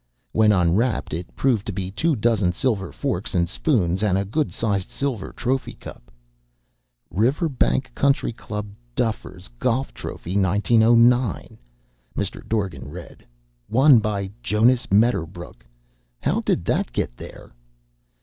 When unwrapped it proved to be two dozen silver forks and spoons and a good sized silver trophy cup. "'Riverbank Country Club, Duffers' Golf Trophy, 1909?'" Mr. Dorgan read. "'Won by Jonas Medderbrook.' How did that get there?"